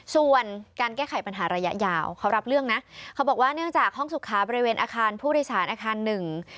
ส่วนการแก้ไขปัญหาระยะยาวเขารับเรื่องนะเขาบอกว่าเนื่องจากห้องสุขาบริเวณอาคารผู้โดยสารอาคารหนึ่ง